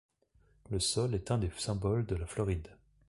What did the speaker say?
Le sol est un des symboles de la Floride.